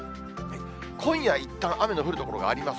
今夜、いったん雨の降る所があります。